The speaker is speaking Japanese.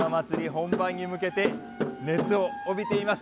本番に向けて、熱を帯びています。